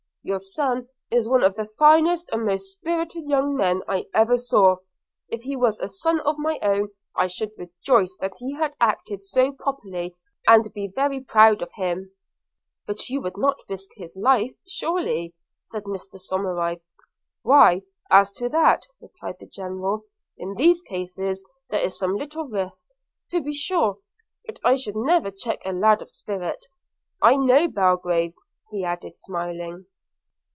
Your son is one of the finest and most spirited young men I ever saw. If he was a son of my own, I should rejoice that he had acted so properly, and be very proud of him.' 'But you would not risk his life, surely?' said Mr Somerive. 'Why, as to that,' replied the General, 'in these cases there is some little risk, to be sure; but I should never check a lad of spirit. I know Belgrave,' added he, smiling.